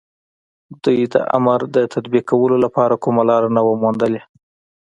دوی د امر د تطبيقولو لپاره کومه لاره نه وه موندلې.